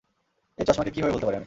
এই চসমা কে কিভাবে ভুলতে পারি আমি?